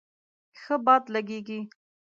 ښه باد لږیږی